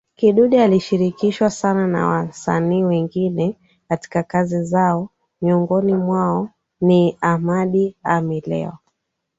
Kidude alishirikishwa sana na wasanii wengine katika kazi zao Miongoni mwao ni Ahmada Amelewa